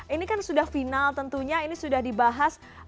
ini kan sudah final tentunya ini sudah dibahas